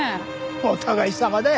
お互いさまだ。